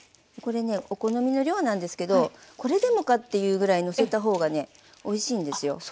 これねお好みの量なんですけどこれでもかっていうぐらいのせた方がねおいしいんですよ。